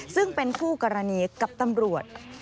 ซึ่งเป็นคู่กรณีกับตำรวจ